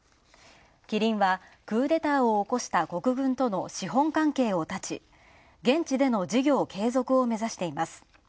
キリンはクーデターを起こした国軍との資本関係を絶ち、現地での事業継続を目指しています。